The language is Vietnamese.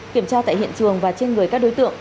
kiểm tra tại hiện trường và trên người các đối tượng